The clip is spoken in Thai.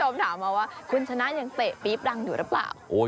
มารบก้าว